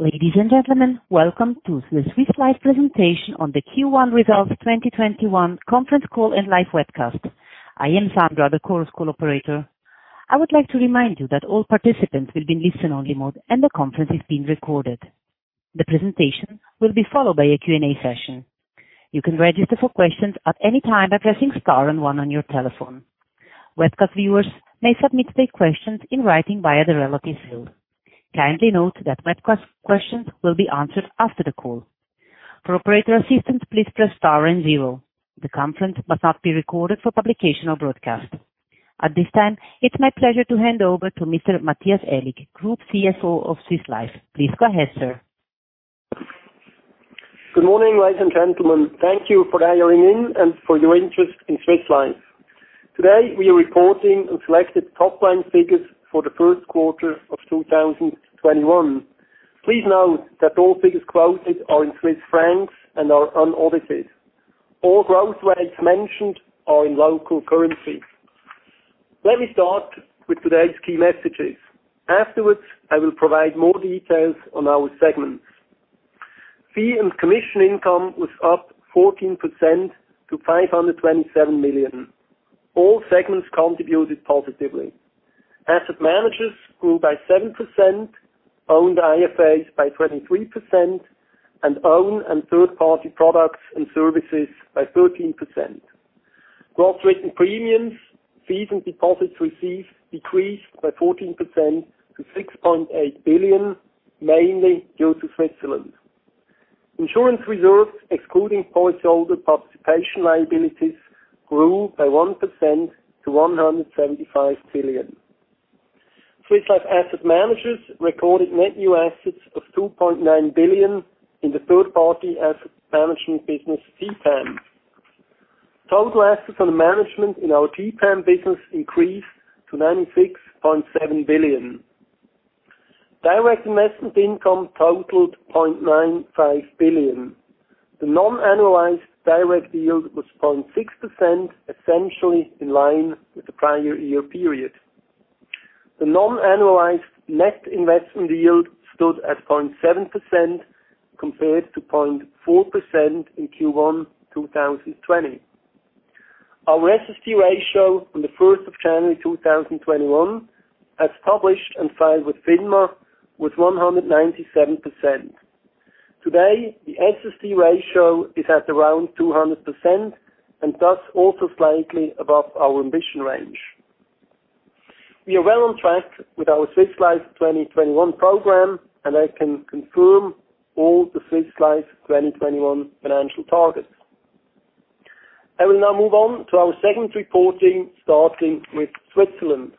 Ladies and gentlemen, welcome to the Swiss Life presentation on the Q1 Results 2021 conference call and live webcast. I am Sandra, the Chorus Call operator. I would like to remind you that all participants will be in listen-only mode and the conference is being recorded. The presentation will be followed by a Q&A session. You can register for questions at any time by pressing star and one on your telephone. Webcast viewers may submit their questions in writing via the relevant field. Kindly note that webcast questions will be answered after the call. For operator assistance, please press star and zero. The conference must not be recorded for publication or broadcast. At this time, it's my pleasure to hand over to Mr. Matthias Aellig, Group CFO of Swiss Life. Please go ahead, sir. Good morning, ladies and gentlemen. Thank you for dialing in and for your interest in Swiss Life. Today, we are reporting on selected top-line figures for the first quarter of 2021. Please note that all figures quoted are in Swiss francs and are unaudited. All growth rates mentioned are in local currency. Let me start with today's key messages. Afterwards, I will provide more details on our segments. Fee and commission income was up 14% to 527 million. All segments contributed positively. Asset Managers grew by 7%, owned IFAs by 23%, and own and third-party products and services by 13%. Gross written premiums, fees and deposits received decreased by 14% to 6.8 billion, mainly due to Switzerland. Insurance reserves, excluding policyholder participation liabilities, grew by 1% to 175 billion. Swiss Life Asset Managers recorded net new assets of 2.9 billion in the third-party asset management business, TPAM. Total assets under management in our TPAM business increased to 96.7 billion. Direct investment income totaled 0.95 billion. The non-annualized direct yield was 0.6%, essentially in line with the prior year period. The non-annualized net investment yield stood at 0.7%, compared to 0.4% in Q1 2020. Our SST ratio on the 1st of January 2021, as published and filed with FINMA, was 197%. Today, the SST ratio is at around 200% and thus also slightly above our ambition range. We are well on track with our Swiss Life 2021 program, and I can confirm all the Swiss Life 2021 financial targets. I will now move on to our segment reporting, starting with Switzerland.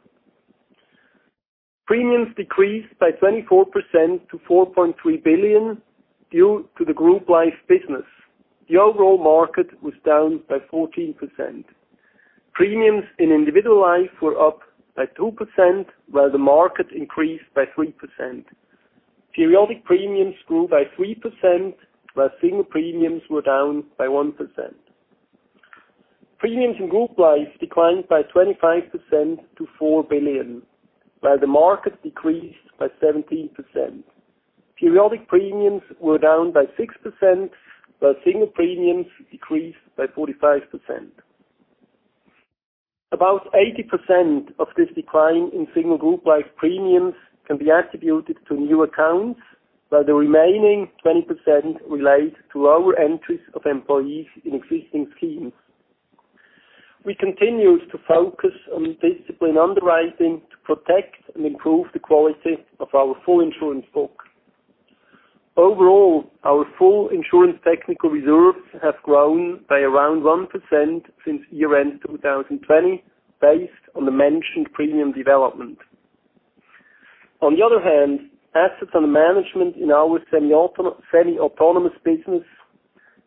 Premiums decreased by 24% to 4.3 billion due to the Group Life business. The overall market was down by 14%. Premiums in Individual Life were up by 2%, while the market increased by 3%. Periodic premiums grew by 3%, while single premiums were down by 1%. Premiums in Group Life declined by 25% to 4 billion, while the market decreased by 17%. Periodic premiums were down by 6%, while single premiums decreased by 45%. About 80% of this decline in single Group Life premiums can be attributed to new accounts, while the remaining 20% relates to lower entries of employees in existing schemes. We continue to focus on disciplined underwriting to protect and improve the quality of our full insurance book. Overall, our full insurance technical reserves have grown by around 1% since year-end 2020, based on the mentioned premium development. On the other hand, assets under management in our semi-autonomous business,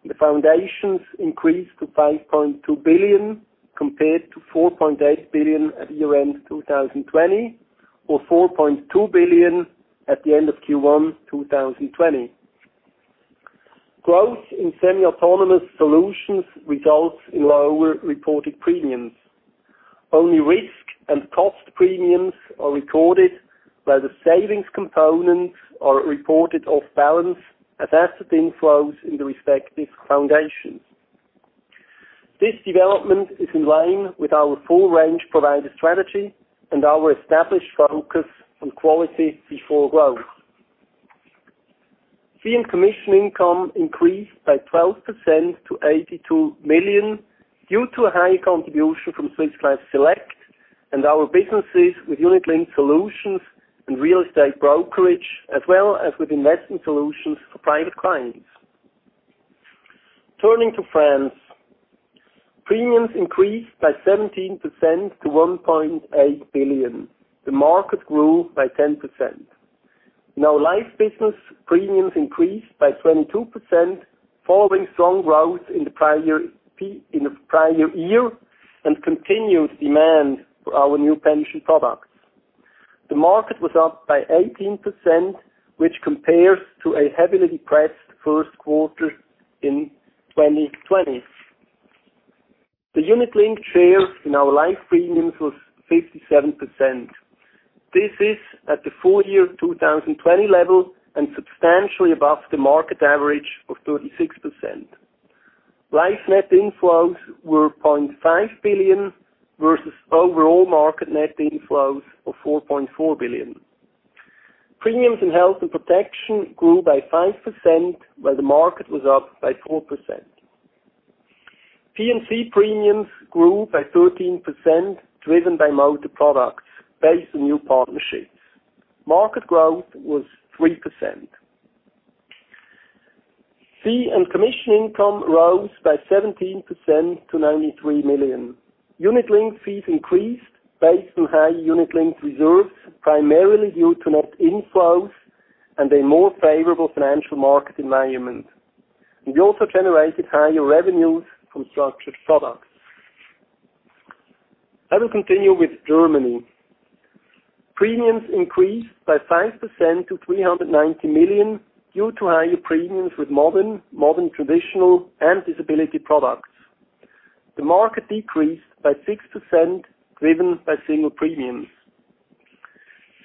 the foundations increased to 5.2 billion, compared to 4.8 billion at year-end 2020 or 4.2 billion at the end of Q1 2020. Growth in semi-autonomous solutions results in lower reported premiums. Only risk and cost premiums are recorded, while the savings components are reported off-balance as asset inflows in the respective foundations. This development is in line with our full-range provider strategy and our established focus on quality before growth. Fee and commission income increased by 12% to 82 million due to a high contribution from Swiss Life Select and our businesses with unit-linked solutions and real estate brokerage, as well as with investment solutions for private clients. Turning to France. Premiums increased by 17% to 1.8 billion. The market grew by 10%. In our Life business, premiums increased by 22%, following strong growth in the prior year and continued demand for our new pension products. The market was up by 18%, which compares to a heavily depressed first quarter in 2020. The unit-linked share in our life premiums was 57%. This is at the full-year 2020 level and substantially above the market average of 36%. Life net inflows were 0.5 billion versus overall market net inflows of 4.4 billion. Premiums in health and protection grew by 5% while the market was up by 4%. P&C premiums grew by 13%, driven by motor products based on new partnerships. Market growth was 3%. Fee and commission income rose by 17% to 93 million. Unit-linked fees increased based on higher unit-linked reserves, primarily due to net inflows and a more favorable financial market environment. We also generated higher revenues from structured products. I will continue with Germany. Premiums increased by 5% to 390 million due to higher premiums with modern, traditional, and disability products. The market decreased by 6%, driven by single premiums.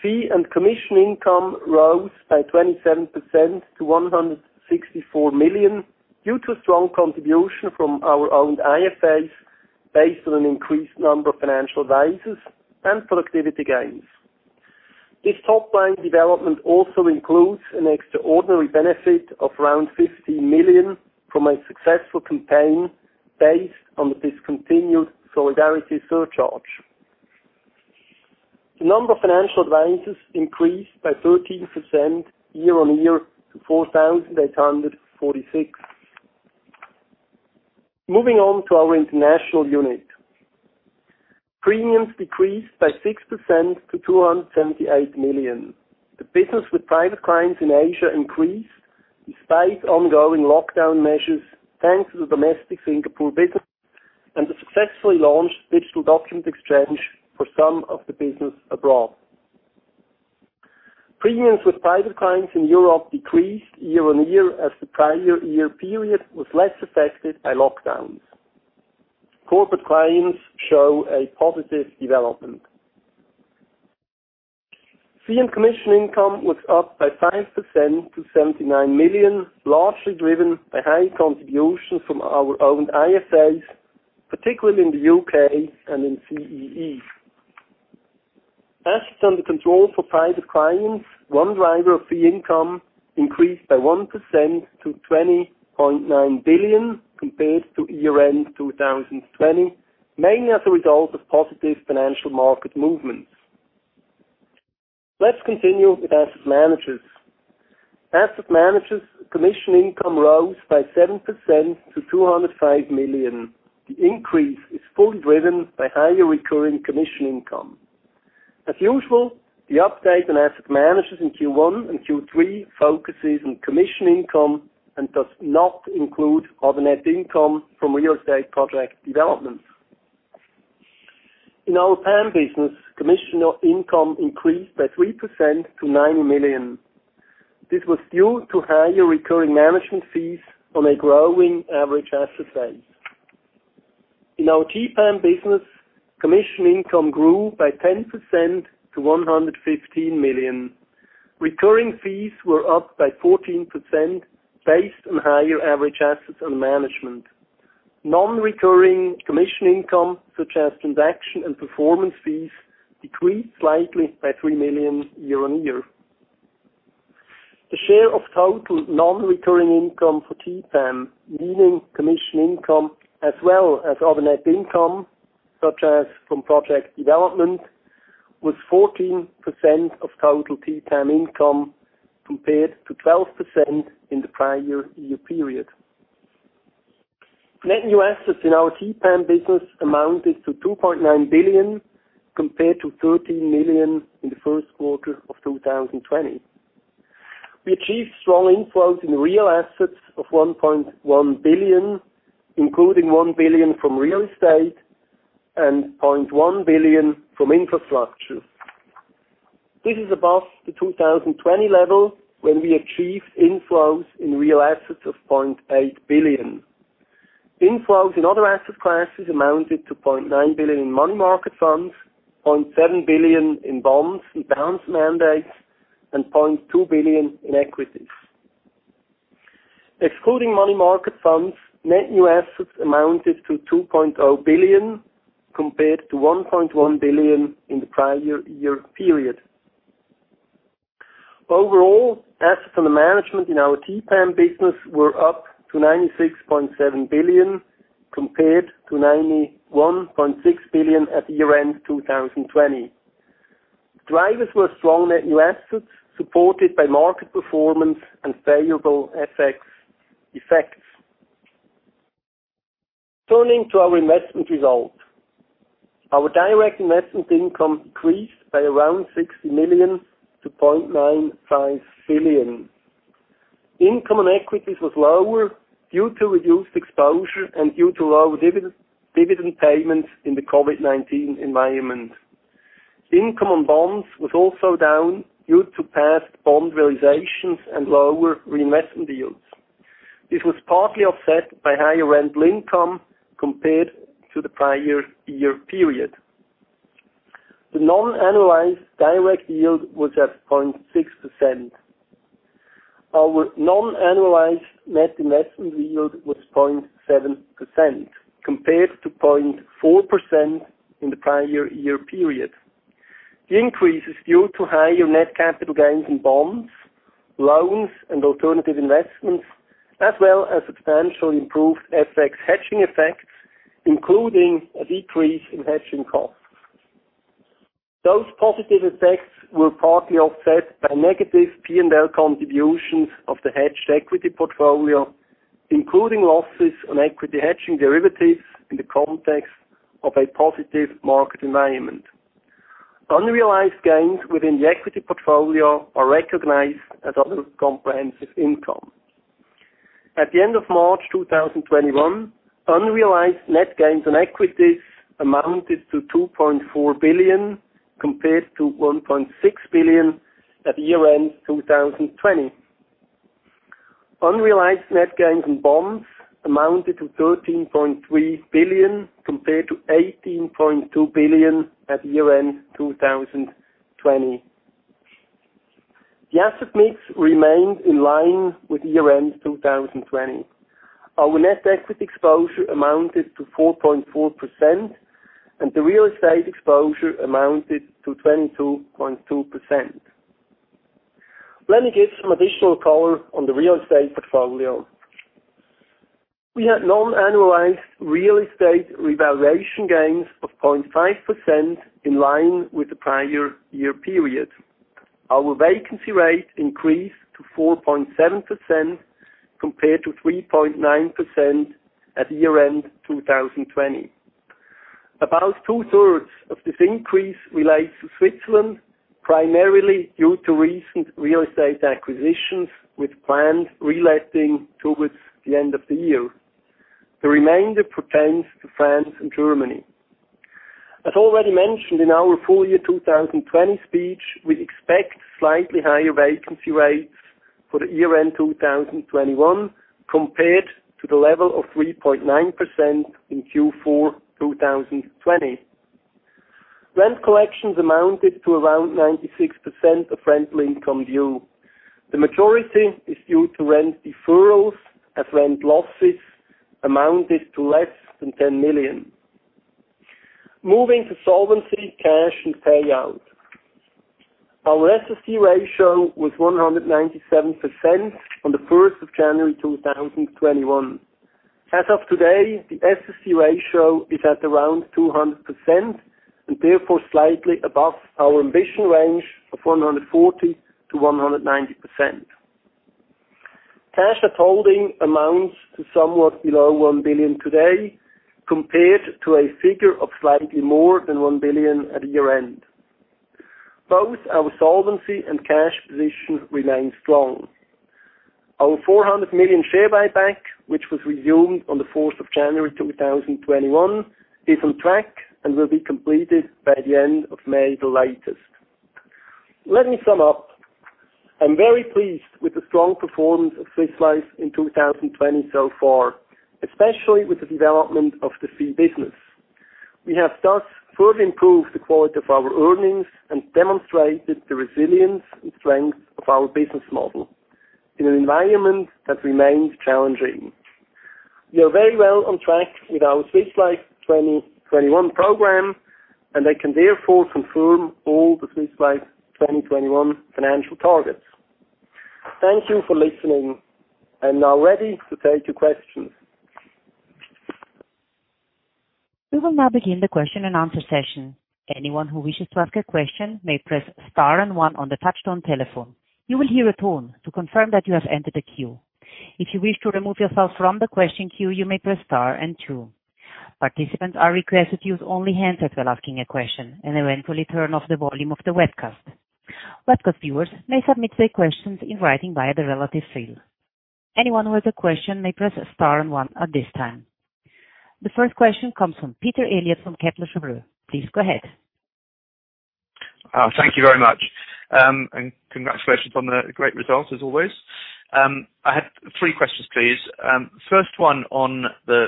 Fee and commission income rose by 27% to 164 million due to strong contribution from our own IFAs, based on an increased number of financial advisors and productivity gains. This top-line development also includes an extraordinary benefit of around 50 million from a successful campaign based on the discontinued solidarity surcharge. The number of financial advisors increased by 13% year-on-year to 4,846. Moving on to our international unit. Premiums decreased by 6% to 278 million. The business with private clients in Asia increased despite ongoing lockdown measures, thanks to the domestic Singapore business and the successfully launched digital document exchange for some of the business abroad. Premiums with private clients in Europe decreased year-on-year as the prior year period was less affected by lockdowns. Corporate clients show a positive development. Fee and commission income was up by 5% to 79 million, largely driven by high contribution from our own IFAs, particularly in the U.K. and in CEE. Assets under control for private clients, one driver of fee income, increased by 1% to 20.9 billion compared to year-end 2020, mainly as a result of positive financial market movements. Let's continue with asset managers. Asset managers' commission income rose by 7% to 205 million. The increase is fully driven by higher recurring commission income. As usual, the update on asset managers in Q1 and Q3 focuses on commission income and does not include other net income from real estate project developments. In our PAM business, commission income increased by 3% to 90 million. This was due to higher recurring management fees on a growing average asset base. In our TPAM business, commission income grew by 10% to 115 million. Recurring fees were up by 14%, based on higher average assets under management. Non-recurring commission income, such as transaction and performance fees, decreased slightly by 3 million year-over-year. The share of total non-recurring income for TPAM, meaning commission income as well as other net income, such as from project development, was 14% of total TPAM income, compared to 12% in the prior year period. Net new assets in our TPAM business amounted to 2.9 billion, compared to 13 million in the first quarter of 2020. We achieved strong inflows in real assets of 1.1 billion, including 1 billion from real estate and 0.1 billion from infrastructure. This is above the 2020 level, when we achieved inflows in real assets of 0.8 billion. Inflows in other asset classes amounted to 0.9 billion in money market funds, 0.7 billion in bonds and balanced mandates, and 0.2 billion in equities. Excluding money market funds, net new assets amounted to 2.0 billion, compared to 1.1 billion in the prior year period. Overall, assets under management in our TPAM business were up to 96.7 billion, compared to 91.6 billion at year-end 2020. Drivers were strong net new assets supported by market performance and favorable FX effects. Turning to our investment result. Our direct investment income decreased by around 60 million to 0.95 billion. Income on equities was lower due to reduced exposure and due to lower dividend payments in the COVID-19 environment. Income on bonds was also down due to past bond realizations and lower reinvestment yields. This was partly offset by higher rental income compared to the prior year period. The non-annualized direct yield was at 0.6%. Our non-annualized net investment yield was 0.7%, compared to 0.4% in the prior year period. The increase is due to higher net capital gains in bonds, loans, and alternative investments, as well as substantially improved FX hedging effects, including a decrease in hedging costs. Those positive effects were partly offset by negative P&L contributions of the hedged equity portfolio, including losses on equity hedging derivatives in the context of a positive market environment. Unrealized gains within the equity portfolio are recognized as other comprehensive income. At the end of March 2021, unrealized net gains on equities amounted to 2.4 billion, compared to 1.6 billion at year-end 2020. Unrealized net gains on bonds amounted to 13.3 billion, compared to 18.2 billion at year-end 2020. The asset mix remained in line with year-end 2020. Our net equity exposure amounted to 4.4%, and the real estate exposure amounted to 22.2%. Let me give some additional color on the real estate portfolio. We had non-annualized real estate revaluation gains of 0.5%, in line with the prior year period. Our vacancy rate increased to 4.7%, compared to 3.9% at year-end 2020. About two-thirds of this increase relates to Switzerland, primarily due to recent real estate acquisitions with planned reletting towards the end of the year. The remainder pertains to France and Germany. As already mentioned in our full-year 2020 speech, we expect slightly higher vacancy rates for the year-end 2021 compared to the level of 3.9% in Q4 2020. Rent collections amounted to around 96% of rental income due. The majority is due to rent deferrals as rent losses amounted to less than 10 million. Moving to solvency, cash, and payout. Our SST ratio was 197% on the 1st of January 2021. As of today, the SST ratio is at around 200%, and therefore slightly above our ambition range of 140%-190%. Cash at holding amounts to somewhat below 1 billion today, compared to a figure of slightly more than 1 billion at year-end. Both our solvency and cash position remain strong. Our 400 million share buyback, which was resumed on the 4th of January 2021, is on track and will be completed by the end of May the latest. Let me sum up. I'm very pleased with the strong performance of Swiss Life in 2020 so far, especially with the development of the fee business. We have thus further improved the quality of our earnings and demonstrated the resilience and strength of our business model in an environment that remains challenging. We are very well on track with our Swiss Life 2021 program, and I can therefore confirm all the Swiss Life 2021 financial targets. Thank you for listening. I am now ready to take your questions. We will now begin the question and answer session. Anyone who wishes to ask a question may press star and one on the touchtone telephone. You will hear a tone to confirm that you have entered the queue. If you wish to remove yourself from the question queue, you may press star and two. Participants are requested to use only handsets when asking a question and eventually turn off the volume of the webcast. Webcast viewers may submit their questions in writing via the relative feed. Anyone with a question may press star and one at this time. The first question comes from Peter Eliot from Kepler Cheuvreux. Please go ahead. Thank you very much, and congratulations on the great results as always. I have three questions, please. First one on the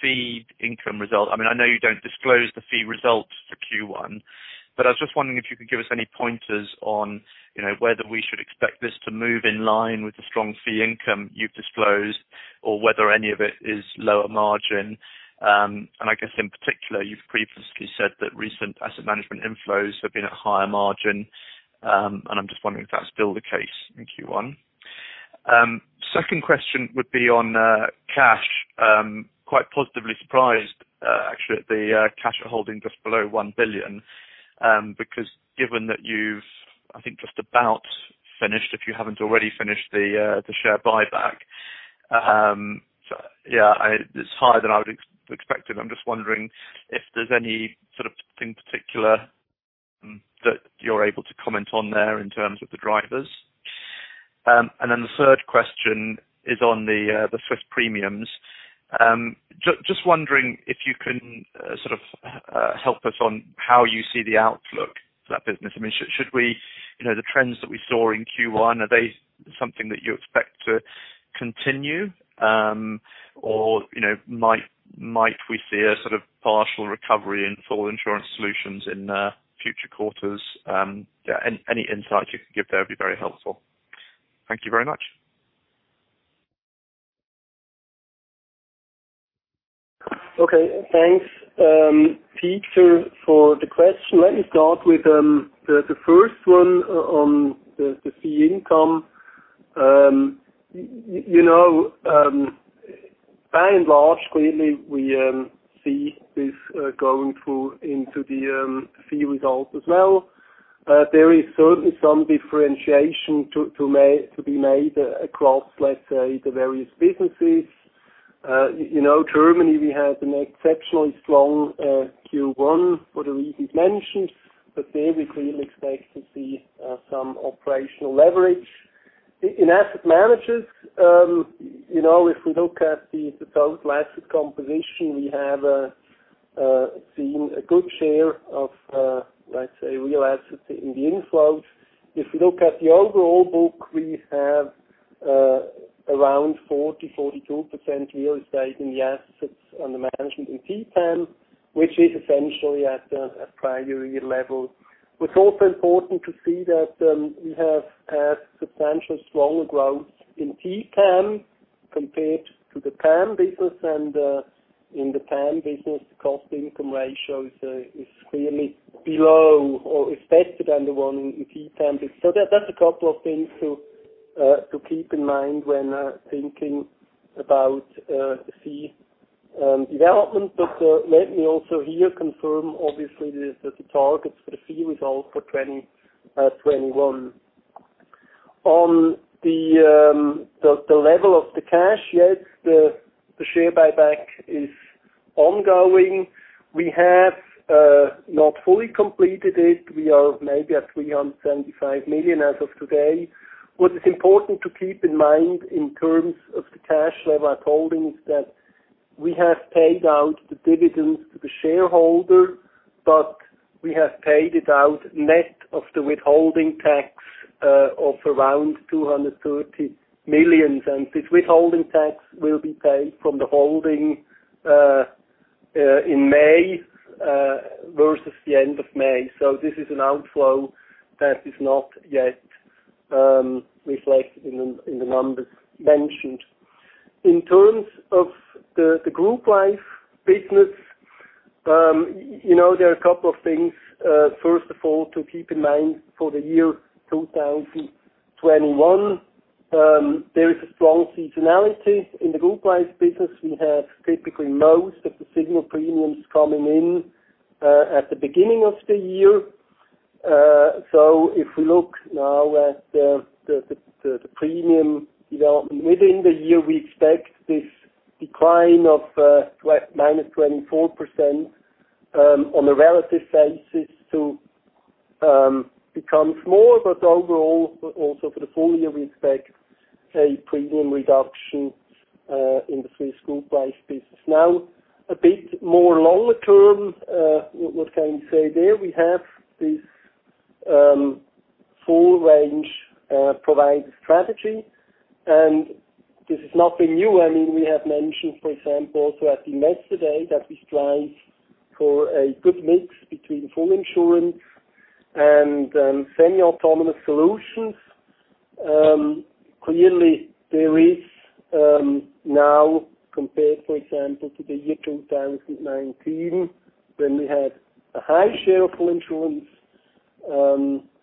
fee income result. I know you don't disclose the fee results for Q1, but I was just wondering if you could give us any pointers on whether we should expect this to move in line with the strong fee income you've disclosed or whether any of it is lower margin. I guess in particular, you've previously said that recent asset management inflows have been at higher margin, and I'm just wondering if that's still the case in Q1. Second question would be on cash. Quite positively surprised, actually, at the cash holding just below 1 billion, because given that you've, I think, just about finished, if you haven't already finished the share buyback. Yeah, it's higher than I would expected. I'm just wondering if there's any sort of thing in particular that you're able to comment on there in terms of the drivers. The third question is on the Swiss premiums. Just wondering if you can help us on how you see the outlook for that business. The trends that we saw in Q1, are they something that you expect to continue? Might we see a partial recovery in full insurance solutions in future quarters? Any insight you could give there would be very helpful. Thank you very much. Okay. Thanks, Peter, for the question. Let me start with the first one on the fee income. By and large, clearly we see this going through into the fee results as well. There is certainly some differentiation to be made across, let's say, the various businesses. Germany, we had an exceptionally strong Q1 for the reasons mentioned, but there we clearly expect to see some operational leverage. In asset managers, if we look at the total asset composition, we have seen a good share of, let's say, real assets in the inflows. If we look at the overall book, we have around 40%, 42% real estate in the assets under management in TPAM, which is essentially at a prior year level. It is also important to see that we have had substantial stronger growth in TPAM compared to the PAM business. In the PAM business, the cost-income ratio is clearly below or is better than the one in TPAM. That's a couple of things to keep in mind when thinking about the fee development. Let me also here confirm, obviously, the targets for the fee result for 2021. On the level of the cash, yes, the share buyback is ongoing. We have not fully completed it. We are maybe at 375 million as of today. What is important to keep in mind in terms of the cash level at holding is that we have paid out the dividends to the shareholder, but we have paid it out net of the withholding tax of around 230 million. This withholding tax will be paid from the holding in May versus the end of May. This is an outflow that is not yet reflected in the numbers mentioned. In terms of the Group Life business, there are a couple of things. First of all, to keep in mind for the year 2021, there is a strong seasonality. In the Group Life business, we have typically most of the signal premiums coming in at the beginning of the year. If we look now at the premium development within the year, we expect this decline of -24% on a relative basis to become smaller. Overall, also for the full-year, we expect a premium reduction in the Swiss Group Life business. A bit more longer term, what can we say there? We have this full-range provider strategy, and this is nothing new. We have mentioned, for example, throughout the investor day that we strive for a good mix between full insurance and semi-autonomous solutions. Clearly, there is now compared, for example, to the year 2019, when we had a high share of full insurance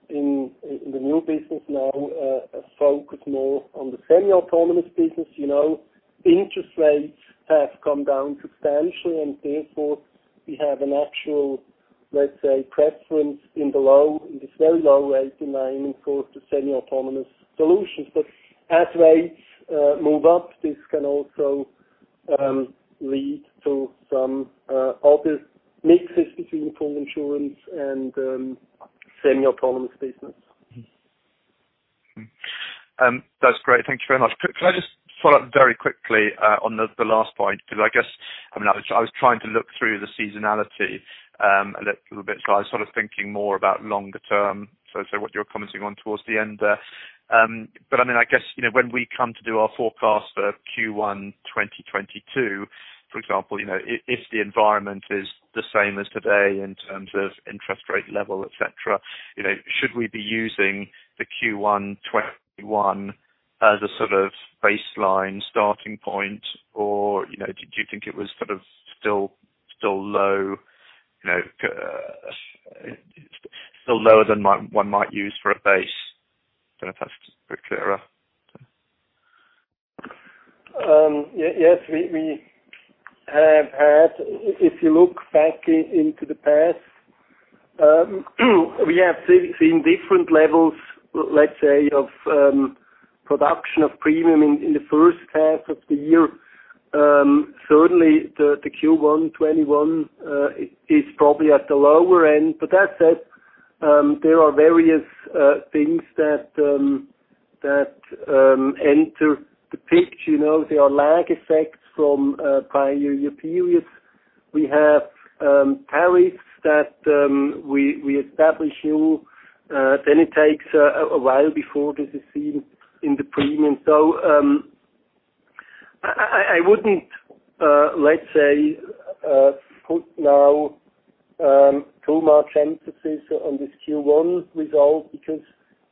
in the new business now a focus more on the semi-autonomous business. Interest rates have come down substantially, and therefore we have an actual, let's say, preference in this very low rate environment for the semi-autonomous solutions. As rates move up, this can also lead to some obvious mixes between full insurance and semi-autonomous business. That's great. Thank you very much. Could I just follow up very quickly on the last point? I was trying to look through the seasonality a little bit. I was thinking more about longer term. What you're commenting on towards the end there. I guess, when we come to do our forecast for Q1 2022, for example, if the environment is the same as today in terms of interest rate level, et cetera, should we be using the Q1 2021 as a baseline starting point? Do you think it was still lower than one might use for a base? Don't know if that's a bit clearer. Yes. If you look back into the past, we have seen different levels, let's say, of production of premium in the first half of the year. Certainly, the Q1 2021 is probably at the lower end. That said, there are various things that enter the picture. There are lag effects from prior year periods. We have tariffs that we establish new. It takes a while before this is seen in the premium. I wouldn't, let's say, put now too much emphasis on this Q1 result because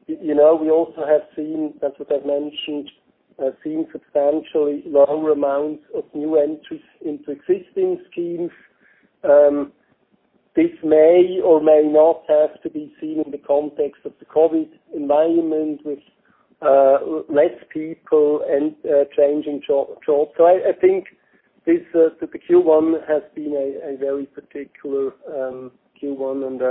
we also have seen, as I've mentioned, seen substantially lower amounts of new entries into existing schemes. This may or may not have to be seen in the context of the COVID-19 environment with less people and changing jobs. I think the Q1 has been a very particular Q1, and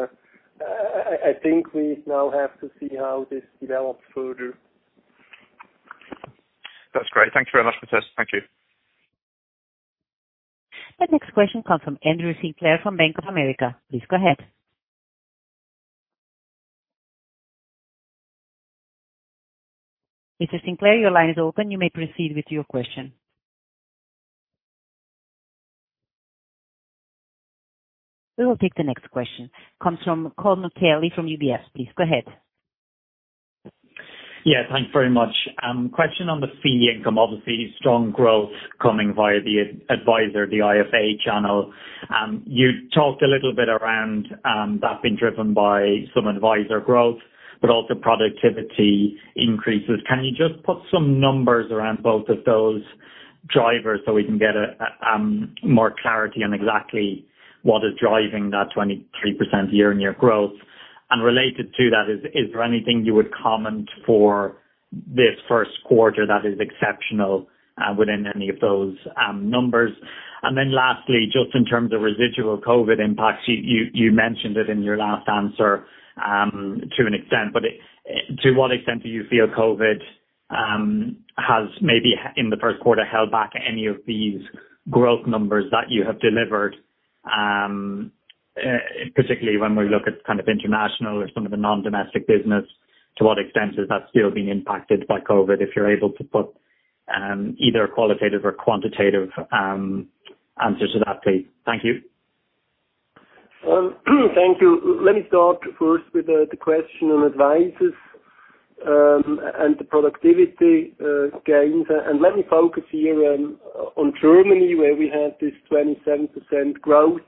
I think we now have to see how this develops further. That's great. Thanks very much, Matthias. Thank you. The next question comes from Andrew Sinclair from Bank of America. Please go ahead. Mr. Sinclair, your line is open. You may proceed with your question. We will take the next question. It comes from Colm Kelly from UBS. Please go ahead. Yeah, thanks very much. Question on the fee income. Obviously, strong growth coming via the advisor, the IFA channel. You talked a little bit around that being driven by some advisor growth, but also productivity increases. Can you just put some numbers around both of those drivers so we can get more clarity on exactly what is driving that 23% year-on-year growth? Related to that, is there anything you would comment for this first quarter that is exceptional within any of those numbers? Lastly, just in terms of residual COVID impacts, you mentioned it in your last answer to an extent, but to what extent do you feel COVID has maybe in the first quarter held back any of these growth numbers that you have delivered? Particularly when we look at international or some of the non-domestic business, to what extent is that still being impacted by COVID-19? If you're able to put either a qualitative or quantitative answer to that, please. Thank you. Thank you. Let me start first with the question on advisors and the productivity gains. Let me focus here on Germany, where we had this 27% growth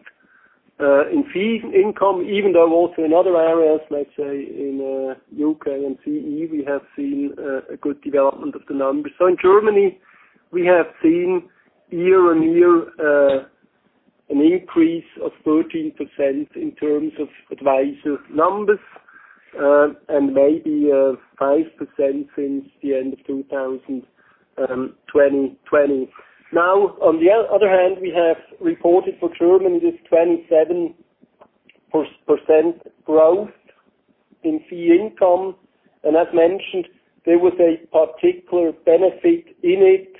in fee income, even though also in other areas, let's say in U.K. and CEE, we have seen a good development of the numbers. In Germany, we have seen year-on-year an increase of 13% in terms of advisor numbers, and maybe 5% since the end of 2020. On the other hand, we have reported for Germany this 27% growth in fee income. As mentioned, there was a particular benefit in it.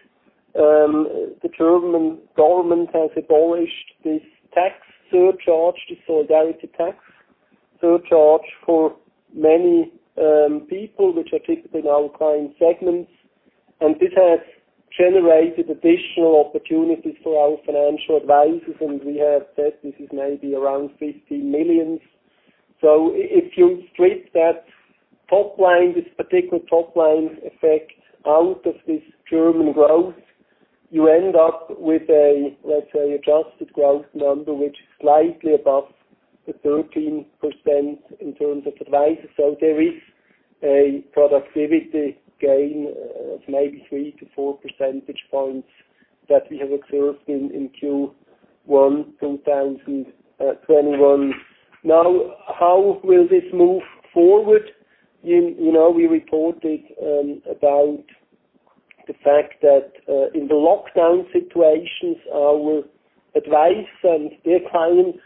The German government has abolished this tax surcharge, the solidarity tax surcharge for many people which are typically in our client segments. This has generated additional opportunities for our financial advisors, and we have said this is maybe around 15 million. If you strip that top line, this particular top-line effect out of this German growth, you end up with a, let's say, adjusted growth number, which is slightly above the 13% in terms of advisors. There is a productivity gain of maybe 3-4 percentage points that we have observed in Q1 2021. How will this move forward? We reported about the fact that in the lockdown situations, our advice and their clients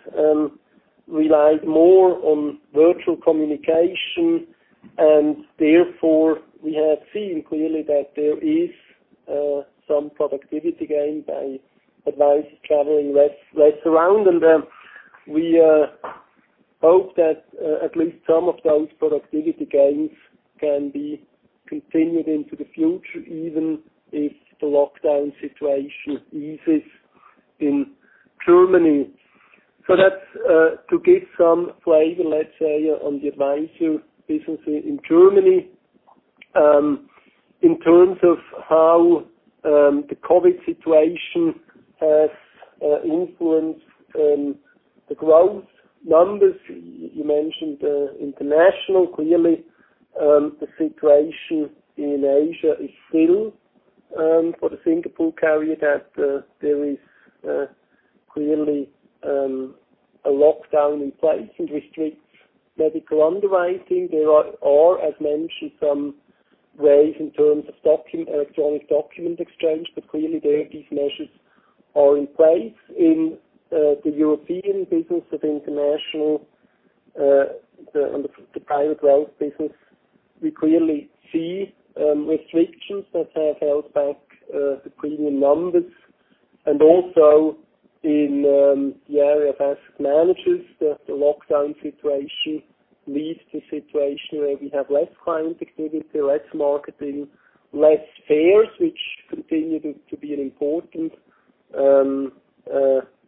relied more on virtual communication, and therefore we have seen clearly that there is some productivity gain by advisors traveling less around. We hope that at least some of those productivity gains can be continued into the future, even if the lockdown situation eases in Germany. That's to give some flavor, let's say, on the advisor business in Germany. In terms of how the COVID-19 situation has influenced the growth numbers, you mentioned international. Clearly, the situation in Asia is still for the Singapore carrier that there is clearly a lockdown in place and restricts medical underwriting. There are, as mentioned, some ways in terms of electronic document exchange, clearly there, these measures are in place. In the European business of international. On the private wealth business, we clearly see restrictions that have held back the premium numbers. Also in the area of asset managers, the lockdown situation leads to a situation where we have less client activity, less marketing, less fairs, which continue to be an important,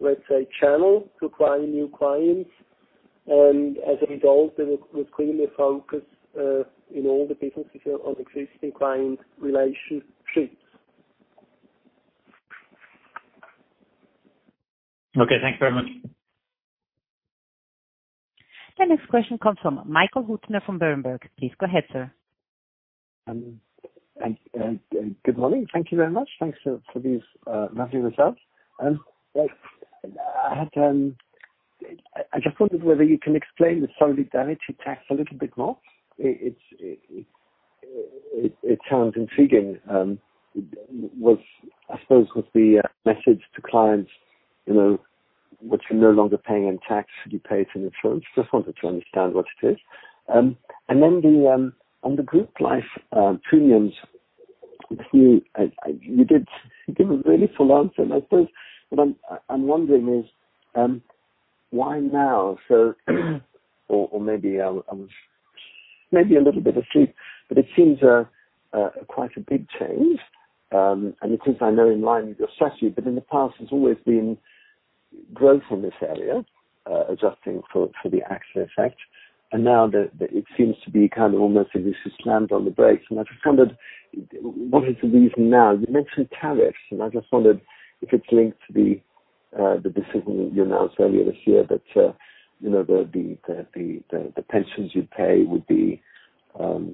let's say, channel to acquire new clients. As a result, there was clearly a focus in all the businesses on existing client relationships. Okay, thanks very much. The next question comes from Michael Huttner from Berenberg. Please go ahead, sir. Good morning. Thank you very much. Thanks for these lovely results. I just wondered whether you can explain the solidarity surcharge a little bit more. It sounds intriguing. I suppose with the message to clients, what you're no longer paying in tax, you pay it in insurance. Just wanted to understand what it is. On the Group Life premiums, you gave a very full answer. I suppose what I'm wondering is, why now? Maybe I was a little bit asleep. It seems quite a big change. It seems, I know, in line with your strategy. In the past, there's always been growth in this area, adjusting for the actual effect. Now it seems to be almost as if you've slammed on the brakes. I just wondered what is the reason now. You mentioned tariffs. I just wondered if it's linked to the decision that you announced earlier this year that the pensions you pay, I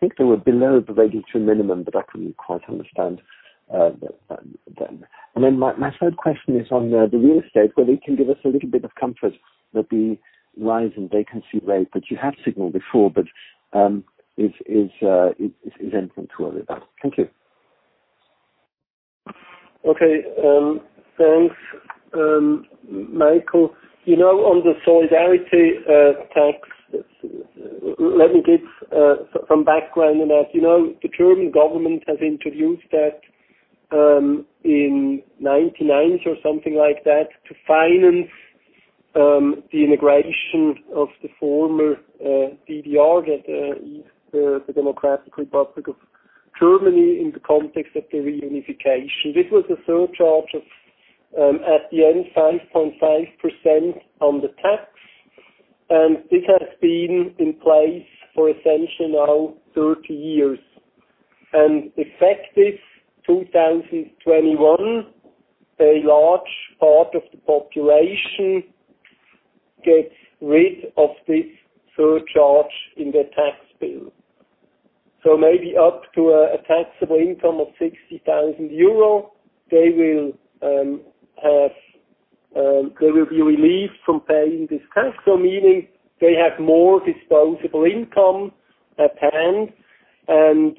think they were below the regulatory minimum. I couldn't quite understand. My third question is on the real estate, whether you can give us a little bit of comfort that the rise in vacancy rate that you have signaled before, is entering too early. Thank you. Okay. Thanks, Michael. On the solidarity tax, let me give some background on that. The German government has introduced that in 1999 or something like that to finance the integration of the former DDR, the Democratic Republic of Germany, in the context of the reunification. This was a surcharge of, at the end, 5.5% on the tax. This has been in place for essentially now 30 years. Effective 2021, a large part of the population gets rid of this surcharge in their tax bill. Maybe up to a taxable income of 60,000 euro, they will be relieved from paying this tax. Meaning they have more disposable income at hand, and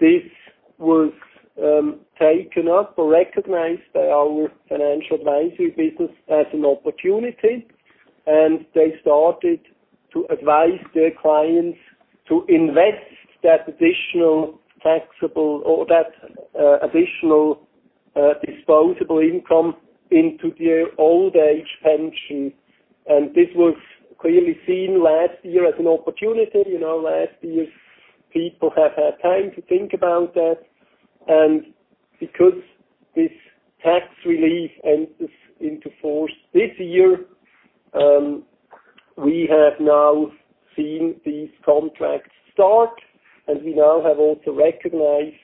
this was taken up or recognized by our financial advisory business as an opportunity, and they started to advise their clients to invest that additional taxable or that additional disposable income into their old-age pension. This was clearly seen last year as an opportunity. Last year, people have had time to think about that. Because this tax relief enters into force this year, we have now seen these contracts start, and we now have also recognized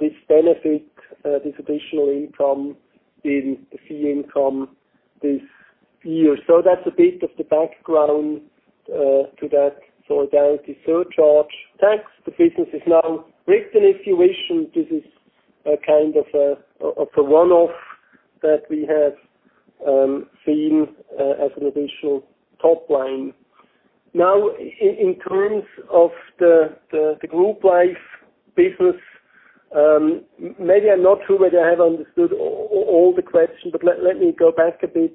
this benefit, this additional income in the fee income this year. That's a bit of the background to that solidarity surcharge tax. The business is now written. If you wish, this is a kind of a one-off that we have seen as an additional top line. In terms of the Group Life business. I'm not sure whether I have understood all the questions, but let me go back a bit.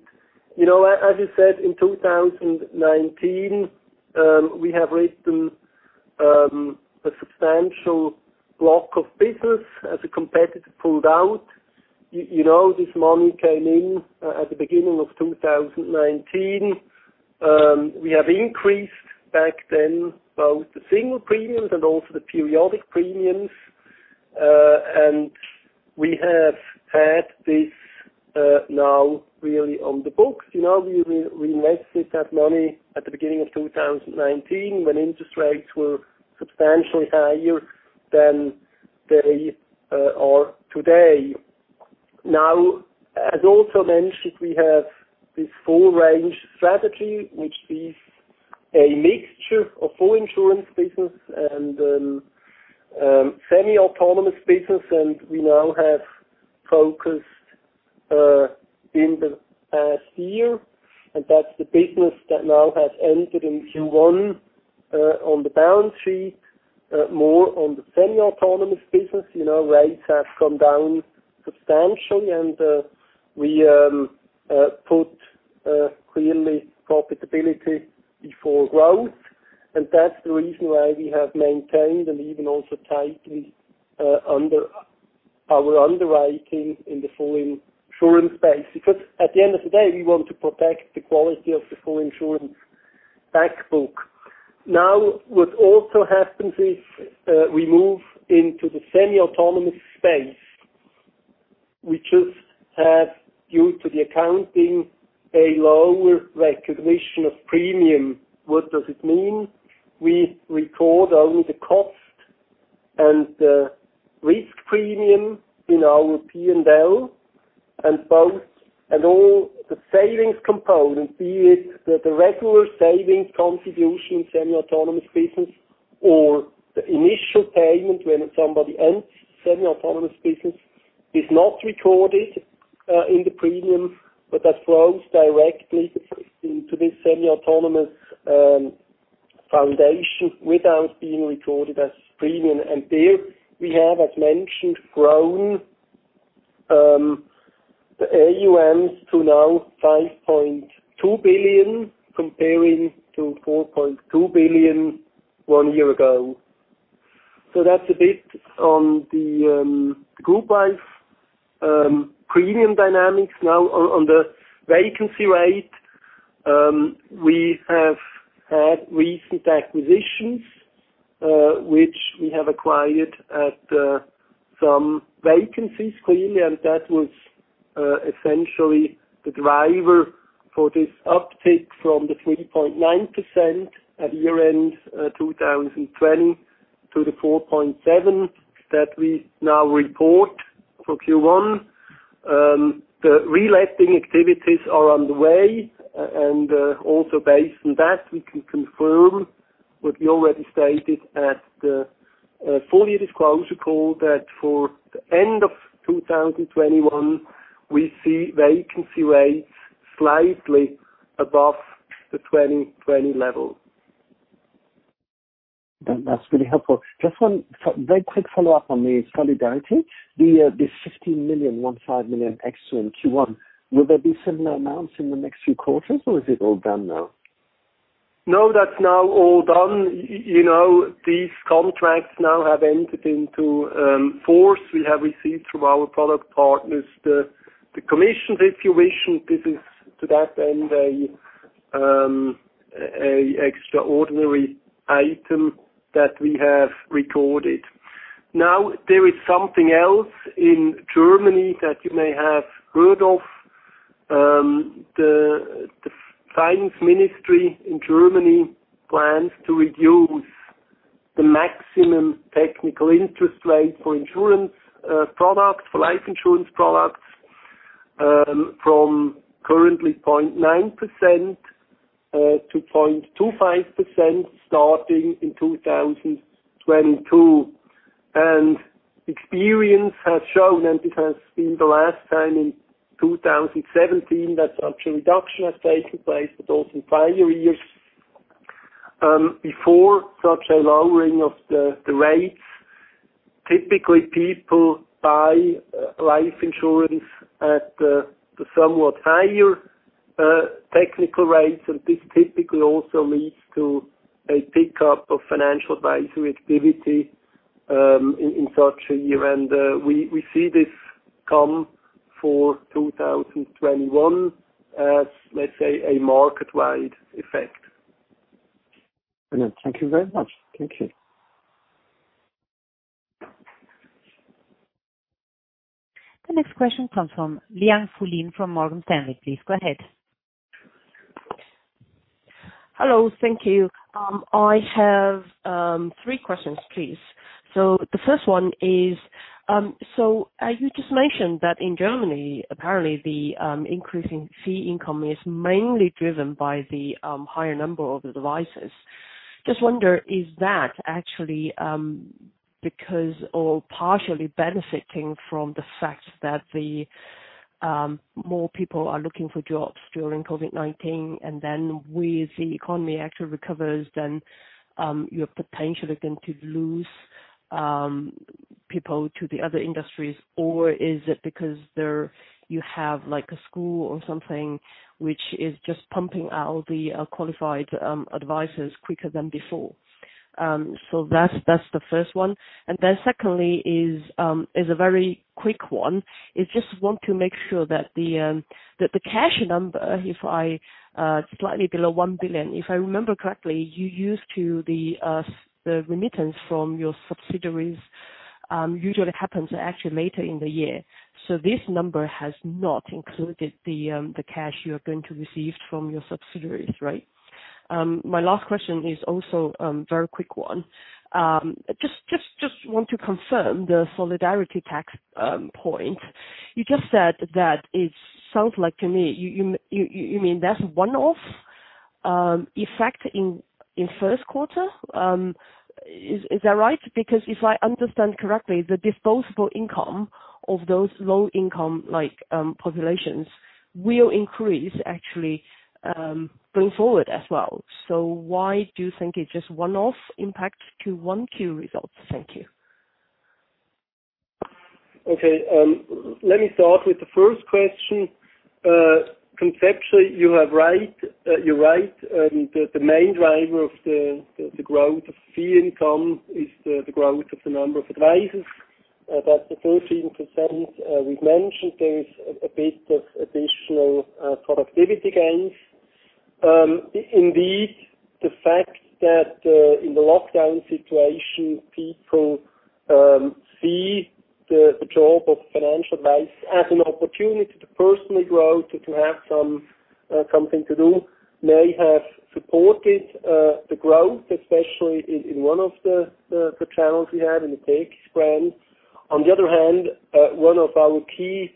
As you said, in 2019, we have written a substantial block of business as a competitor pulled out. This money came in at the beginning of 2019. We have increased back then both the single premiums and also the periodic premiums. We have had this now really on the books. We invested that money at the beginning of 2019 when interest rates were substantially higher than they are today. As also mentioned, we have this full-range strategy, which is a mixture of full insurance business and semi-autonomous business. We now have focused in the past year, and that's the business that now has entered in Q1 on the balance sheet, more on the semi-autonomous business. Rates have come down substantially and we put clearly profitability before growth. That's the reason why we have maintained and even also tightened our underwriting in the full insurance space, because at the end of the day, we want to protect the quality of the full insurance back book. What also happens is we move into the semi-autonomous space. We just have, due to the accounting, a lower recognition of premium. What does it mean? We record only the cost and risk premium in our P&L. All the savings component, be it the regular savings contribution, semi-autonomous business or the initial payment when somebody ends semi-autonomous business, is not recorded in the premium, but that flows directly into this semi-autonomous foundation without being recorded as premium. There we have, as mentioned, grown the AUMs to now 5.2 billion, comparing to 4.2 billion one year ago. That's a bit on the Group Life premium dynamics. On the vacancy rate, we have had recent acquisitions, which we have acquired at some vacancies clearly, and that was essentially the driver for this uptick from the 3.9% at year-end 2020 to the 4.7% that we now report for Q1. The reletting activities are underway and also based on that, we can confirm what we already stated at the full-year disclosure call that for the end of 2021, we see vacancy rates slightly above the 2020 level. That's really helpful. One very quick follow-up on the solidarity surcharge. 15 million extra in Q1, will there be similar amounts in the next few quarters or is it all done now? No, that's now all done. These contracts now have entered into force. We have received from our product partners the commissions, if you wish. This is to that end, an extraordinary item that we have recorded. There is something else in Germany that you may have heard of. The finance ministry in Germany plans to reduce the maximum technical interest rate for life insurance products from currently 0.9% to 0.25%, starting in 2022. Experience has shown, and it has been the last time in 2017 that such a reduction has taken place, but also prior years, before such a lowering of the rates, typically people buy life insurance at the somewhat higher technical rates, and this typically also leads to a pickup of financial advisory activity in such a year. We see this come for 2021 as, let's say, a market-wide effect. Brilliant. Thank you very much. Thank you. The next question comes from Liang Fulin from Morgan Stanley. Please go ahead. Hello. Thank you. I have three questions, please. The first one is, as you just mentioned that in Germany, apparently the increase in fee income is mainly driven by the higher number of the advisors. Is that actually because or partially benefiting from the fact that the more people are looking for jobs during COVID-19, with the economy actually recovers, you have potentially going to lose people to the other industries? Or is it because you have a school or something which is just pumping out the qualified advisors quicker than before? That's the first one. Secondly is a very quick one. I just want to make sure that the cash number, slightly below 1 billion, if I remember correctly, you used to the remittance from your subsidiaries usually happens actually later in the year. This number has not included the cash you are going to receive from your subsidiaries, right? My last question is also very quick one. Just want to confirm the solidarity surcharge point. You just said that it sounds like to me, you mean that's one-off effect in first quarter? Is that right? Because if I understand correctly, the disposable income of those low-income populations will increase actually, bring forward as well. Why do you think it's just one-off impact to Q1 results? Thank you. Let me start with the first question. Conceptually, you are right. The main driver of the growth of fee income is the growth of the number of advisors. About the 13% we have mentioned, there is a bit of additional productivity gains. The fact that in the lockdown situation, people see the job of financial advice as an opportunity to personally grow, to have something to do may have supported the growth, especially in one of the channels we have in the banks brand. One of our key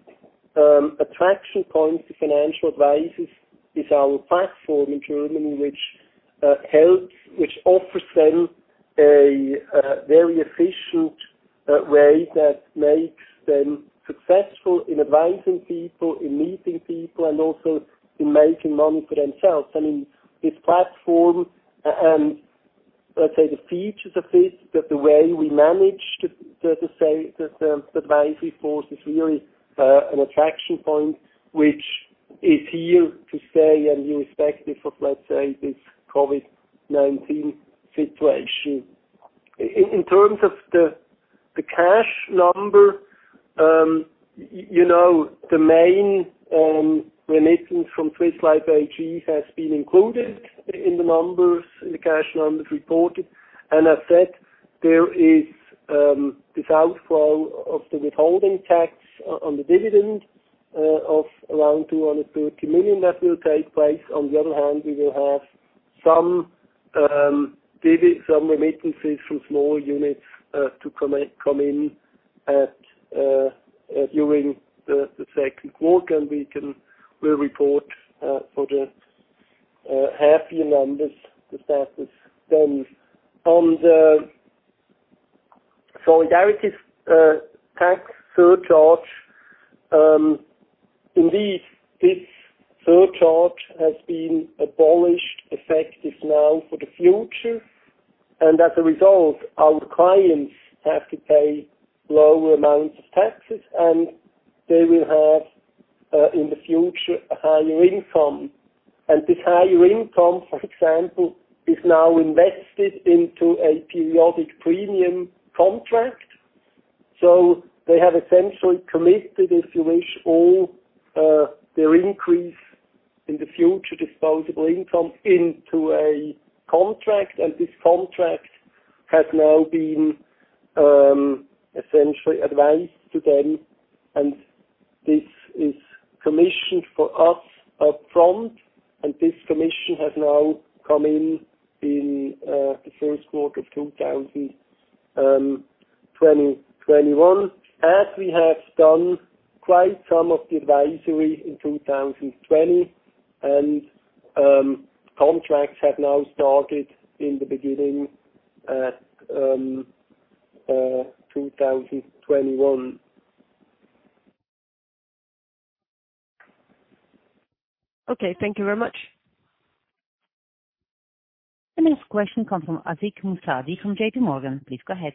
attraction points to financial advisors is our platform in Germany, which offers them a very efficient way that makes them successful in advising people, in meeting people, and also in making money for themselves. This platform and, let's say, the features of it, the way we manage the advisory force is really an attraction point, which is here to stay and irrespective of, let's say, this COVID-19 situation. In terms of the cash number, the main remittance from Swiss Life AG has been included in the numbers, in the cash numbers reported. As said, there is this outflow of the withholding tax on the dividend of around 230 million that will take place. On the other hand, we will have some remittances from small units to come in during the second quarter, and we'll report for the half-year numbers. The status then. On the solidarity surcharge. Indeed, this surcharge has been abolished, effective now for the future. As a result, our clients have to pay lower amounts of taxes, and they will have, in the future, a higher income. This higher income, for example, is now invested into a periodic premium contract. They have essentially committed, if you wish, all their increase in the future disposable income into a contract, and this contract has now been essentially advanced to them, and this is commission for us up front. This commission has now come in in the first quarter of 2021, as we have done quite some of the advisory in 2020. Contracts have now started in the beginning of 2021. Okay. Thank you very much. The next question comes from Ashik Musaddi from JPMorgan. Please go ahead.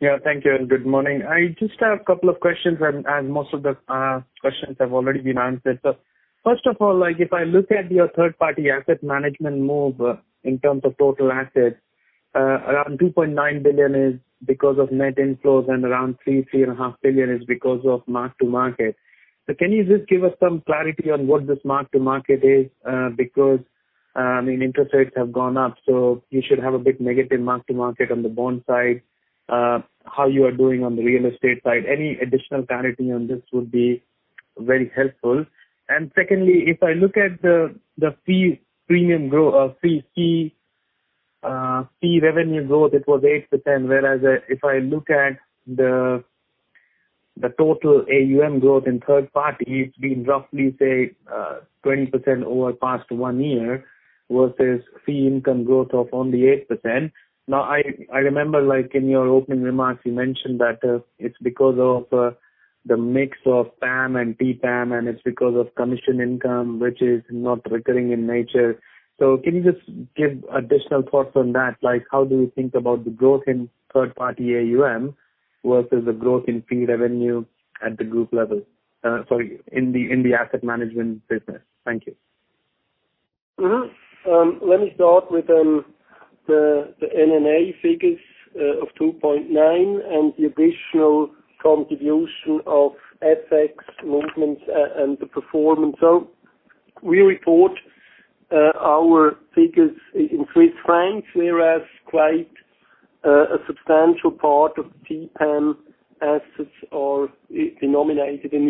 Yeah. Thank you, good morning. I just have a couple of questions. Most of the questions have already been answered. First of all, if I look at your third-party asset management move in terms of total assets, around 2.9 billion is because of net inflows and around 3 billion-3.5 billion is because of mark-to-market. Can you just give us some clarity on what this mark-to-market is? Interest rates have gone up, you should have a bit negative mark-to-market on the bond side, how you are doing on the real estate side. Any additional clarity on this would be very helpful. Secondly, if I look at the fee revenue growth, it was 8%, whereas if I look at the total AUM growth in third party, it's been roughly, say, 20% over the past one year versus fee income growth of only 8%. Now, I remember in your opening remarks, you mentioned that it's because of the mix of PAM and TPAM, and it's because of commission income, which is not recurring in nature. Can you just give additional thoughts on that? How do you think about the growth in third-party AUM versus the growth in fee revenue at the group level-- Sorry, in the asset management business? Thank you. Let me start with the NNA figures of 2.9 and the additional contribution of FX movements and the performance. We report our figures in CHF, whereas quite a substantial part of TPAM assets are denominated in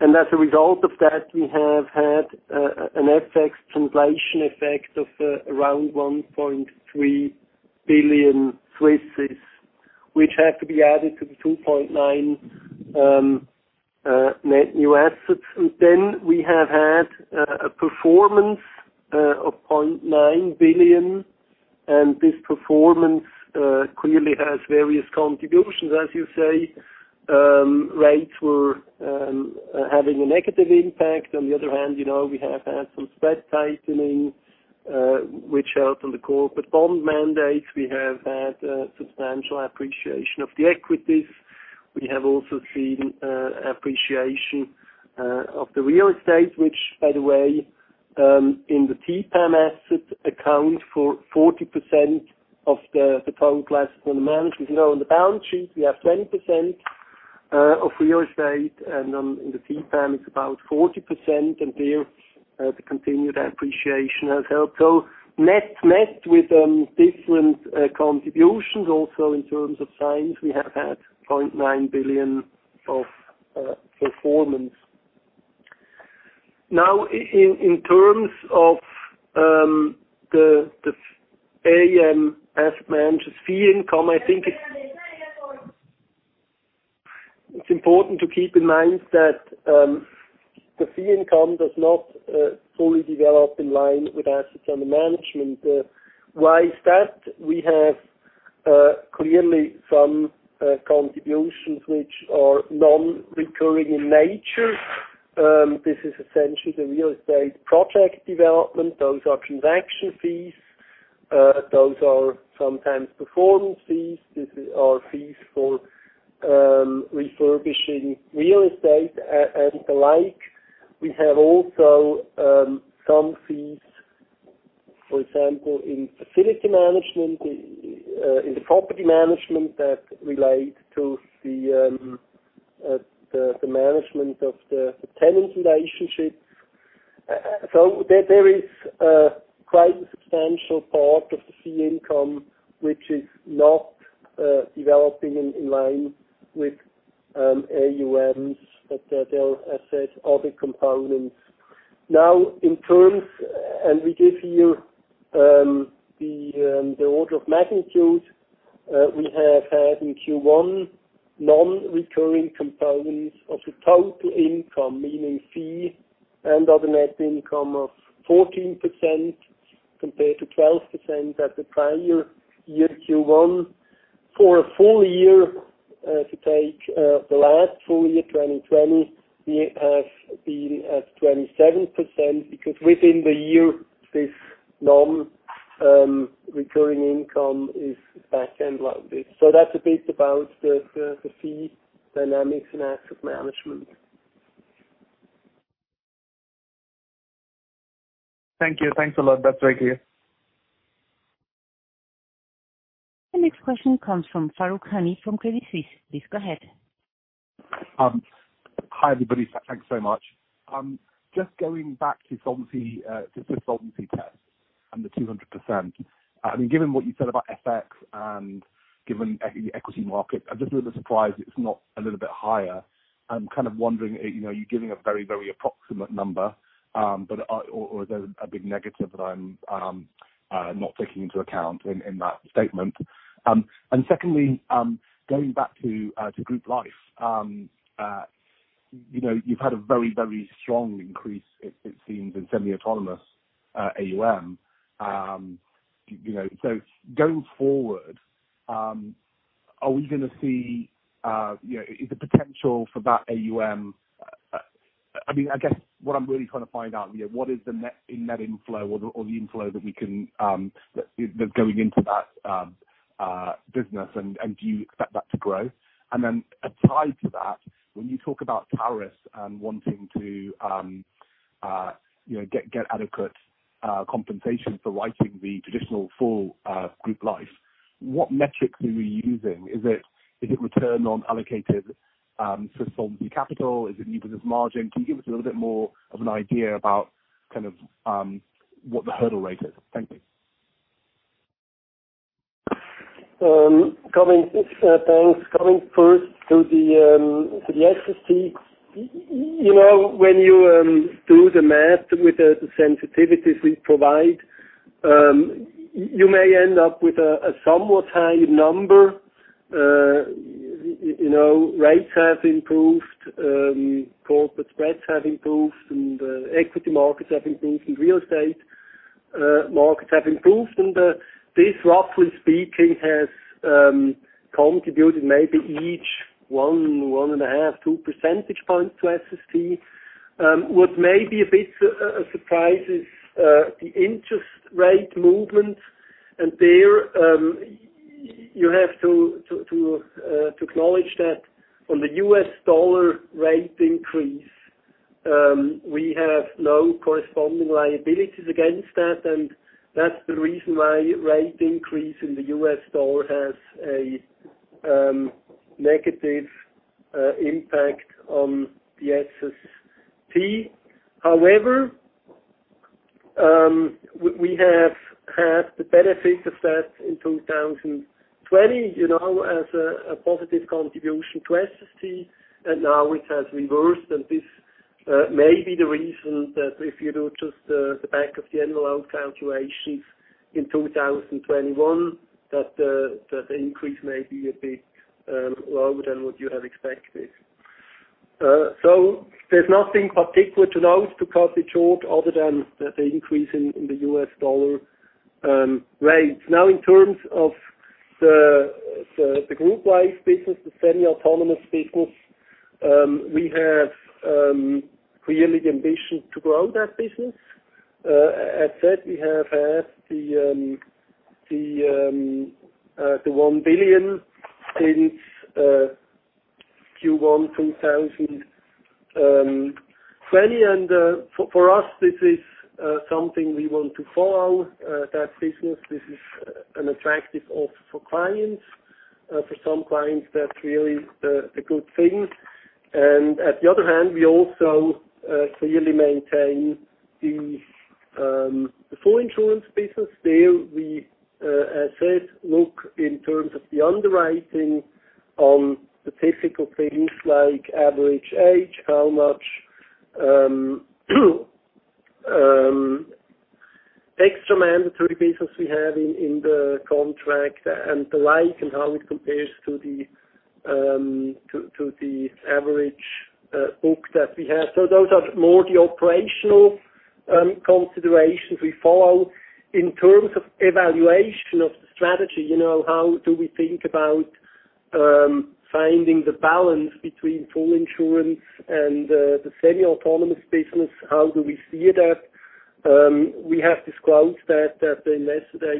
EUR. As a result of that, we have had an FX translation effect of around 1.3 billion, which have to be added to the 2.9 net new assets. We have had a performance of 0.9 billion. This performance clearly has various contributions, as you say. Rates were having a negative impact. On the other hand, we have had some spread tightening, which helped on the corporate bond mandates. We have had substantial appreciation of the equities. We have also seen appreciation of the real estate, which by the way, in the TPAM assets account for 40% of the total assets under management. On the balance sheet, we have 20% of real estate, and in the TPAM, it's about 40%, and there the continued appreciation has helped. Net with different contributions, also in terms of signs, we have had 0.9 billion of performance. In terms of the AUM asset managers fee income, I think it's important to keep in mind that the fee income does not fully develop in line with assets under management. Why is that? We have clearly some contributions which are non-recurring in nature. This is essentially the real estate project development. Those are transaction fees. Those are sometimes performance fees. These are fees for refurbishing real estate and the like. We have also some fees, for example, in facility management, in the property management that relate to the management of the tenant relationships. There is quite a substantial part of the fee income which is not developing in line with AUMs that they'll assess other components. In terms, and we give you the order of magnitude, we have had in Q1 non-recurring components of the total income, meaning fee and other net income of 14% compared to 12% at the prior year Q1. For a full-year, if you take the last full-year, 2020, we have been at 27% because within the year, this non-recurring income is back-endmloaded. That's a bit about the fee dynamics and asset management. Thank you. Thanks a lot. That is very clear. The next question comes from Farooq Hanif from Credit Suisse. Please go ahead. Hi, everybody. Thanks so much. Just going back to solvency test under 200%. Given what you said about FX and given equity market, I'm just a little surprised it's not a little bit higher. I'm kind of wondering, you're giving a very approximate number, or is there a big negative that I'm not taking into account in that statement? Secondly, going back to Group Life. You've had a very strong increase, it seems, in semi-autonomous AUM. Going forward, are we going to see the potential for that AUM? I guess what I'm really trying to find out, what is the net inflow or the inflow that's going into that business, and do you expect that to grow? Then aside to that, when you talk about tariffs and wanting to get adequate compensation for writing the traditional full Group Life, what metrics are we using? Is it return on allocated for solvency capital? Is it margin? Can you give us a little bit more of an idea about what the hurdle rate is? Thank you. Thanks. Coming first to the SST. When you do the math with the sensitivities we provide, you may end up with a somewhat high number. Rates have improved, corporate spreads have improved, and equity markets have improved, and real estate markets have improved. This, roughly speaking, has contributed maybe each one and a half, two percentage points to SST. What may be a bit a surprise is the interest rate movement. There, you have to acknowledge that on the US dollar rate increase, we have no corresponding liabilities against that, and that's the reason why rate increase in the US dollar has a negative impact on the SST. However, we have had the benefit of that in 2020, as a positive contribution to SST, and now it has reversed, and this may be the reason that if you do just the back of the envelope calculations in 2021, that the increase may be a bit lower than what you had expected. There's nothing particular to now to cut it short other than the increase in the US dollar rates. In terms of the Group Life business, the semi-autonomous business, we have clearly the ambition to grow that business. As said, we have had the CHF 1 billion since Q1 2020. For us this is something we want to follow, that business. This is an attractive offer for clients. For some clients, that's really a good thing. At the other hand, we also clearly maintain the full insurance business. There we, as said, look in terms of the underwriting on the typical things like average age, how much extra mandatory business we have in the contract and the like, and how it compares to the average book that we have. Those are more the operational considerations we follow. In terms of evaluation of the strategy, how do we think about finding the balance between full insurance and the semi-autonomous business? How do we see that? We have disclosed that in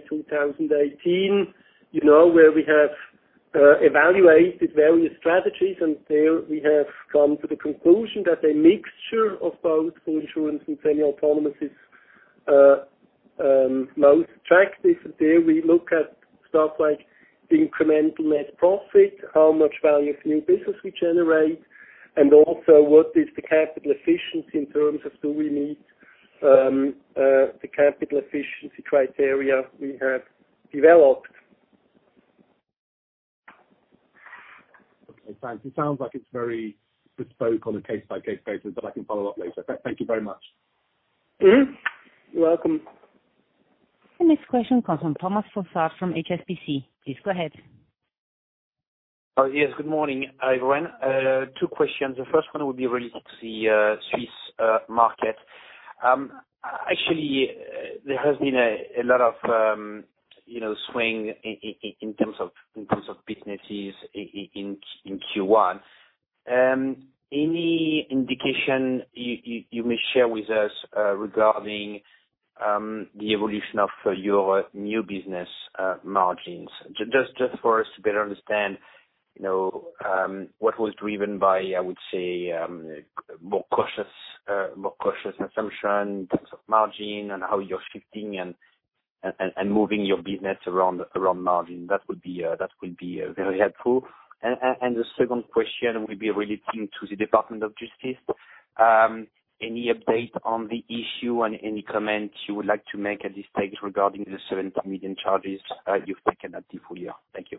2018, where we have evaluated various strategies, and there we have come to the conclusion that a mixture of both full insurance and semi-autonomous is most attractive. There we look at stuff like incremental net profit, how much value of new business we generate, and also what is the capital efficiency in terms of do we meet the capital efficiency criteria we have developed. Okay, thanks. It sounds like it's very bespoke on a case-by-case basis, but I can follow up later. Thank you very much. Mm-hmm. You're welcome. The next question comes from Thomas Fossard from HSBC. Please go ahead. Yes. Good morning, everyone. Two questions. The first one would be related to the Swiss market. Actually, there has been a lot of swing in terms of businesses in Q1. Any indication you may share with us regarding the evolution of your new business margins? Just for us to better understand what was driven by, I would say, more cautious assumption in terms of margin and how you're shifting and moving your business around margin. That would be very helpful. The second question will be relating to the Department of Justice. Any update on the issue and any comment you would like to make at this stage regarding the 70 million charges you've taken at the full-year? Thank you.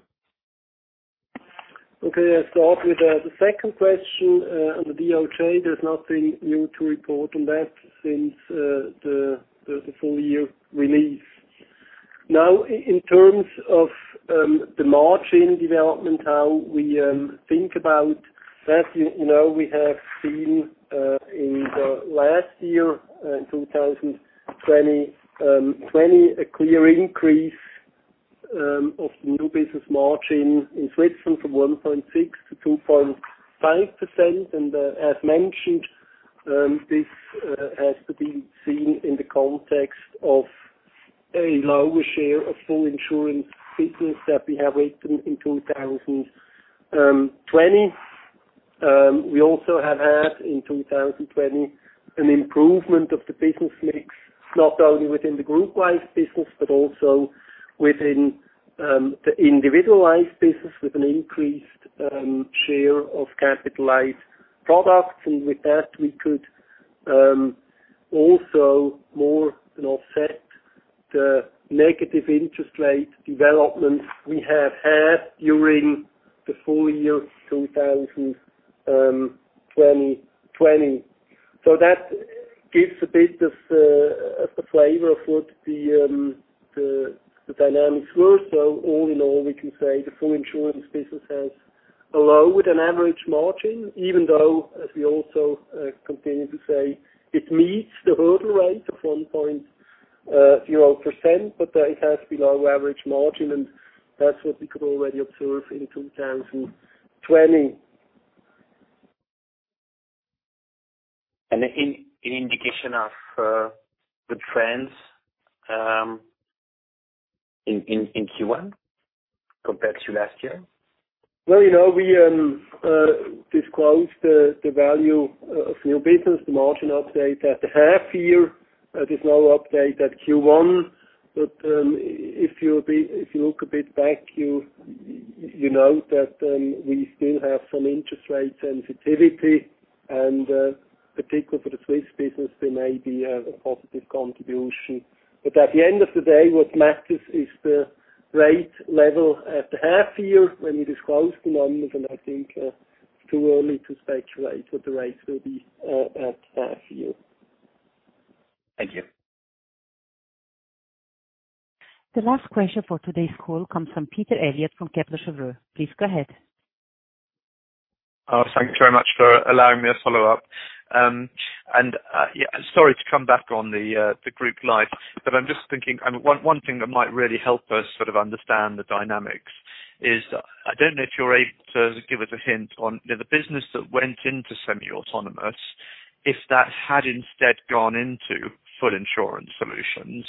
Okay. I'll start with the second question. On the DOJ, there's nothing new to report on that since the full-year release. In terms of the margin development, how we think about that, we have seen in the last year, in 2020, a clear increase of new business margin in Switzerland from 1.6%-2.5%. As mentioned, this has to be seen in the context of a lower share of full insurance business that we have written in 2020. We also have had, in 2020, an improvement of the business mix, not only within the Group Life business, but also within the Individual Life business with an increased share of capitalized products. With that, we could also more offset the negative interest rate developments we have had during the full-year 2020. That gives a bit of a flavor of what the dynamics were. All in all, we can say the full insurance business has a lower than average margin, even though, as we also continue to say, it meets the hurdle rate of 1.0%, but it has below average margin, and that's what we could already observe in 2020. Any indication of good trends in Q1 compared to last year? Well, we disclosed the value of new business, the margin update at the half year. There's no update at Q1. If you look a bit back, you note that we still have some interest rate sensitivity. Particularly for the Swiss business, there may be a positive contribution. At the end of the day, what matters is the rate level at the half year when we disclose the numbers, and I think it's too early to speculate what the rates will be at half year. Thank you. The last question for today's call comes from Peter Eliot from Kepler Cheuvreux. Please go ahead. Thanks very much for allowing me a follow-up. Sorry to come back on the Group Life, but I'm just thinking, one thing that might really help us sort of understand the dynamics is, I don't know if you're able to give us a hint on the business that went into semi-autonomous, if that had instead gone into full insurance solutions,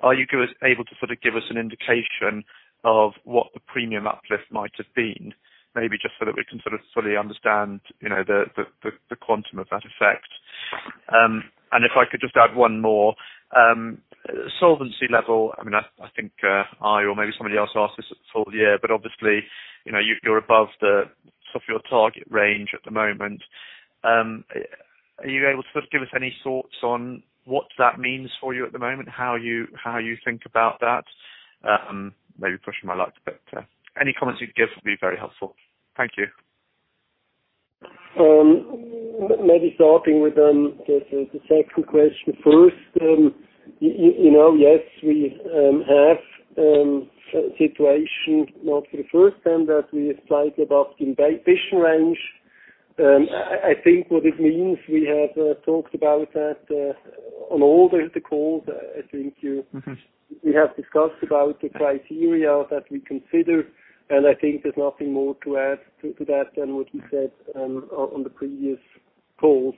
are you able to sort of give us an indication of what the premium uplift might have been? Maybe just so that we can sort of fully understand the quantum of that effect. If I could just add one more. Solvency level, I think I, or maybe somebody else asked this at the full-year, but obviously, you're above the top of your target range at the moment. Are you able to sort of give us any thoughts on what that means for you at the moment? How you think about that? Maybe pushing my luck, but any comments you'd give would be very helpful. Thank you. Maybe starting with the second question first. Yes, we have a situation, not for the first time, that we slide above the Ambition Range. I think what it means, we have talked about that on all the calls. We have discussed about the criteria that we consider. I think there's nothing more to add to that than what we said on the previous calls.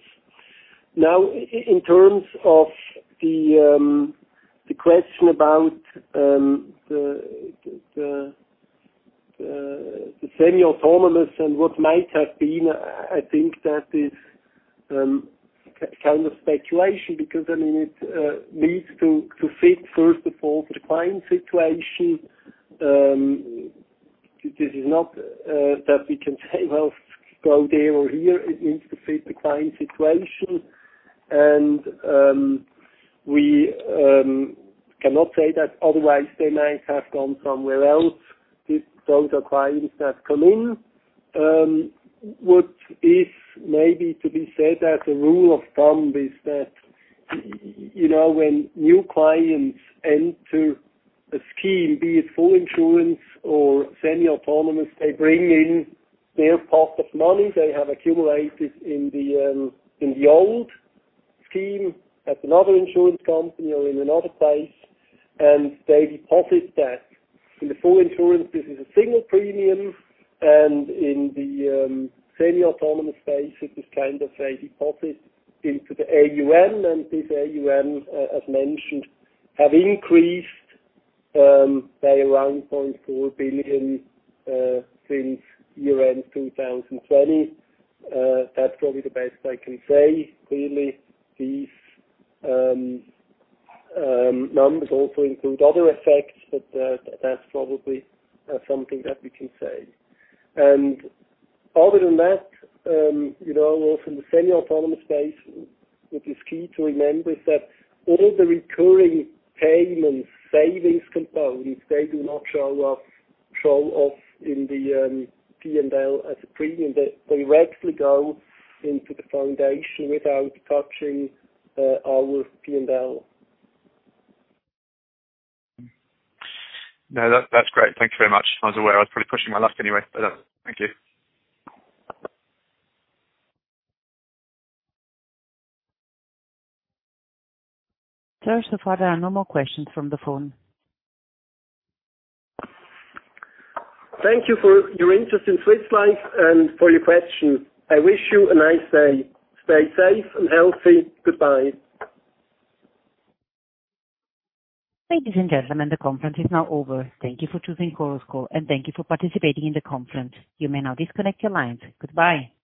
In terms of the question about the semi-autonomous and what might have been, I think that is kind of speculation because it needs to fit, first of all, the client situation. This is not that we can say, "Well, go there or here." It needs to fit the client situation. We cannot say that otherwise they might have gone somewhere else, those are clients that come in. What is maybe to be said as a rule of thumb is that when new clients enter a scheme, be it full insurance or semi-autonomous, they bring in their pot of money they have accumulated in the old scheme at another insurance company or in another place, and they deposit that. In the full insurance, this is a single premium, and in the semi-autonomous space, it is kind of a deposit into the AUM. These AUM, as mentioned, have increased by around 4 billion since year-end 2020. That's probably the best I can say. Clearly, these numbers also include other effects, but that's probably something that we can say. Other than that, also in the semi-autonomous space, what is key to remember is that all the recurring payments, savings components, they do not show off in the P&L as a premium. They directly go into the foundation without touching our P&L. No, that's great. Thank you very much. I was aware I was probably pushing my luck anyway, but thank you. Sir, so far there are no more questions from the phone. Thank you for your interest in Swiss Life and for your questions. I wish you a nice day. Stay safe and healthy. Goodbye. Ladies and gentlemen, the conference is now over. Thank you for choosing Chorus Call, and thank you for participating in the conference. You may now disconnect your lines. Goodbye